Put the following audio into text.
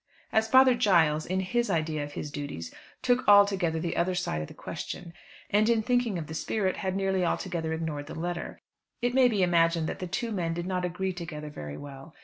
As Father Giles, in his idea of his duties, took altogether the other side of the question, and, in thinking of the spirit, had nearly altogether ignored the letter, it may be imagined that the two men did not agree together very well.